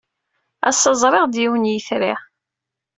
Ass-a, ẓriɣ yiwen n yitri.